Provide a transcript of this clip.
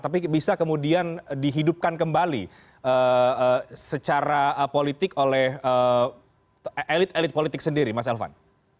tapi bisa kemudian dihidupkan kembali secara politik oleh elit elit politik sendiri mas elvan